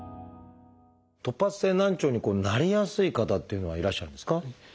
突発性難聴になりやすい方っていうのはいらっしゃるんですか？